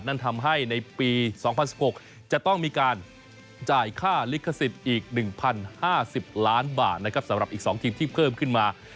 นั่นทำให้ในปี๒๐๑๖จะต้องมีการจ่ายค่าลิขสิทธิ์อีก๑๐๕๐ล้านบาทนะครับสำหรับอีก๒ทีมที่เพิ่มขึ้นมา